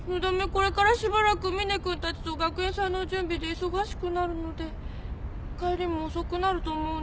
これからしばらく峰君たちと学園祭の準備で忙しくなるので帰りも遅くなると思うんです。